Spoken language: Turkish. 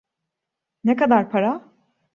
Ne kadar para?